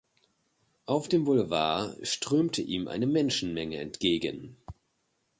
Auf dem Boulevard strömte ihm eine Menschenmenge entgegen.